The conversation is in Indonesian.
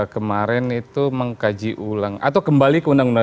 kemarin itu mengkaji ulang atau kembali ke undang undang seribu sembilan ratus empat puluh lima